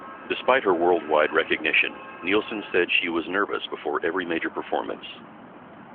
Despite her worldwide recognition, Nilsson said she was nervous before every major performance.